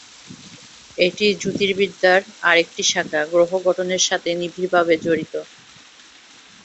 এটি জ্যোতির্বিদ্যার আরেকটি শাখা, গ্রহ গঠনের সাথে নিবিড় ভাবে জড়িত।